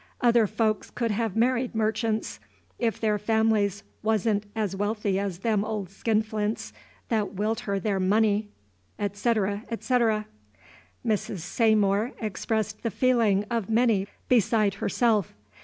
Other folks could have married merchants, if their families was n't as wealthy as them old skinflints that willed her their money," etc., etc. Mrs. Saymore expressed the feeling of many beside herself.